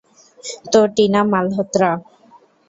তো টিনা মালহোত্রা।